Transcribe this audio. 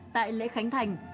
tại lễ khánh thành